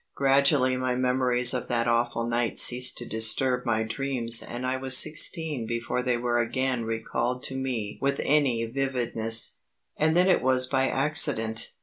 Gradually my memories of that awful night ceased to disturb my dreams and I was sixteen before they were again recalled to me with any vividness, and then it was by accident.